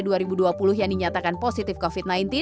dua ribu dua puluh yang dinyatakan positif covid sembilan belas